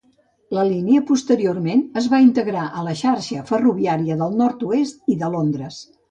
La línia posteriorment es va integrar a la xarxa ferroviària del Nord-oest i de Londres.